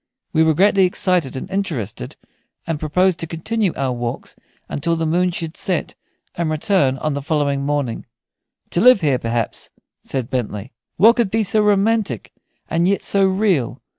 We were greatly excited and interested, and proposed to continue our walks until the moon should set, and to return on the following morning "to live here, perhaps," said Bentley. "What could be so romantic and yet so real?